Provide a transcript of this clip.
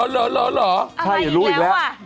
อะไรอีกแล้วอ่ะใช่รู้อีกแล้ว